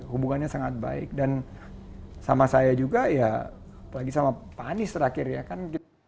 hubungannya sangat baik dan sama saya juga ya apalagi sama pak anies terakhir ya kan